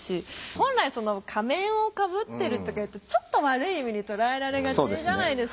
本来その仮面をかぶってるとかいうとちょっと悪い意味に捉えられがちじゃないですか。